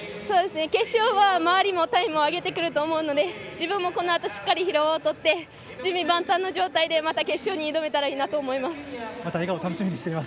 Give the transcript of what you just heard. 決勝は周りもタイムを上げてくると思うので自分もしっかり疲労を取って準備万端で決勝に挑めたらいいなと思っています。